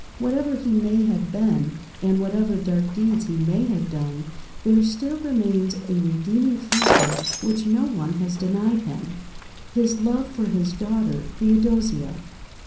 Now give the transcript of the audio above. Whatever he may have been, and whatever dark deeds he may have done, there still remains a redeeming feature which no one has denied him—his love for his daughter, Theodosia.